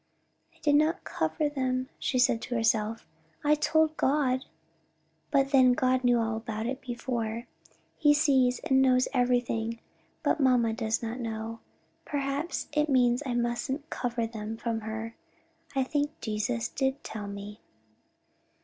"I didn't cover them;" she said to herself, "I told God: but then God knew all about it before; he sees and knows everything; but mamma doesn't know. Perhaps it means I musn't cover them from her. I think Jesus did tell me."